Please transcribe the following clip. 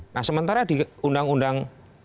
nah sementara di undang undang